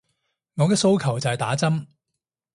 我嘅訴求就係打針